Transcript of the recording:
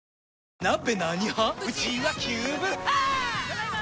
ただいま！